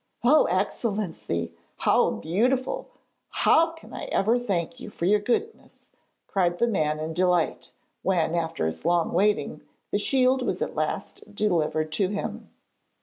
'Oh Excellency! how beautiful! how can I ever thank you for your goodness?' cried the man in delight when, after his long waiting, the shield was at last delivered to him.